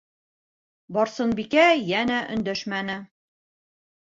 Барсынбикә йәнә өндәшмәне.